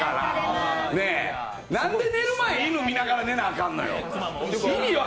なんで寝る前に犬見ながら寝な、あかんのよ。